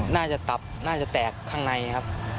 ตับน่าจะแตกข้างในครับ